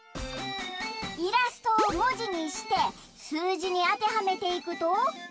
イラストをもじにしてすうじにあてはめていくと。